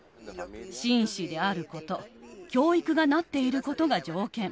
紳士であること、教育がなっていることが条件。